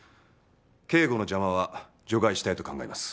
警護の邪魔は除外したいと考えます。